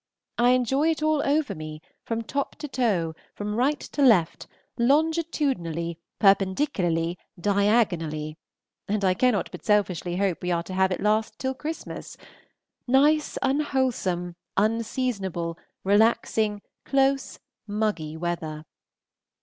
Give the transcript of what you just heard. I enjoy it all over me, from top to toe, from right to left, longitudinally, perpendicularly, diagonally; and I cannot but selfishly hope we are to have it last till Christmas, nice, unwholesome, unseasonable, relaxing, close, muggy weather.